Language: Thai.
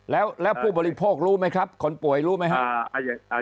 แล้วผู้บริโภครู้ไหมครับคนป่วยรู้ไหมครับ